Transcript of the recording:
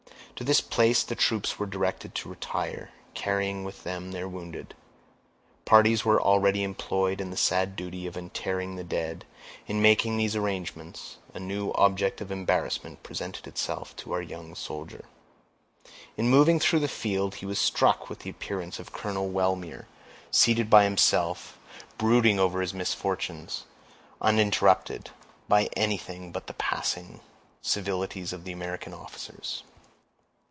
To this place the troops were directed to retire, carrying with them their wounded; parties were already employed in the sad duty of interring the dead. In making these arrangements, a new object of embarrassment presented itself to our young soldier. In moving through the field, he was struck with the appearance of Colonel Wellmere, seated by himself, brooding over his misfortunes, uninterrupted by anything but the passing civilities of the American officers.